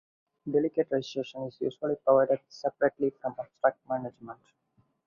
Delegate registration is usually provided separately from abstract management.